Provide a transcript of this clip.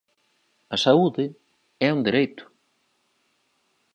A saúde é un dereito.